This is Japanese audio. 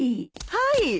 はい。